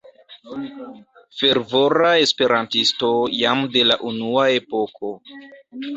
Fervora E-isto jam de la unua epoko.